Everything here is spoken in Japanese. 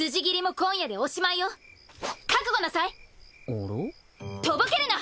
おろ？とぼけるな！